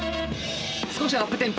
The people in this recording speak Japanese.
少しアップテンポ。